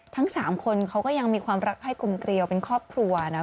ทั้ง๓คนเขาก็ยังมีความรักให้กลุ่มเรียวเป็นครอบครัวนะ